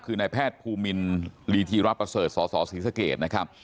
คือนายแพทย์ภูมินลีธีระประเสริฐสสศรีสเกตนะครับ